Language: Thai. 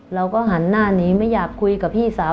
เราก็หันหน้าหนีไม่อยากคุยกับพี่สาว